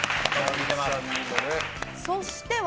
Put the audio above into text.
そして、笑